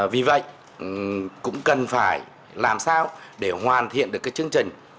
vì vậy cũng cần phải làm sao để hoàn thiện được cái chương trình